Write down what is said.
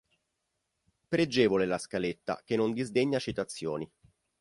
Pregevole la scaletta che non disdegna citazioni.